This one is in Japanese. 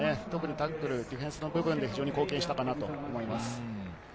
特にタックル、ディフェンス部分で貢献したなと思います。